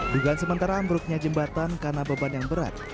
dugaan sementara ambruknya jembatan karena beban yang berat